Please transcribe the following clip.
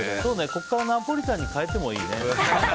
ここからナポリタンに変えてもいいね。